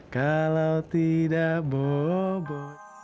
kalau tidak bobo